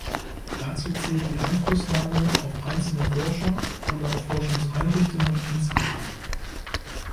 Dazu zählt die Einflussnahme auf einzelne Forscher oder auf Forschungseinrichtungen insgesamt.